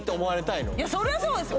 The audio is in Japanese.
いやそりゃそうですよ！